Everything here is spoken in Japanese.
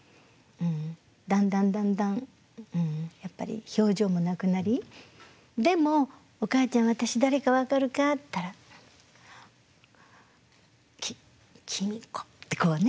だんだんだんだんやっぱり表情もなくなりでも「おかあちゃん私誰か分かるか？」って言ったら「ききみこ」ってこうね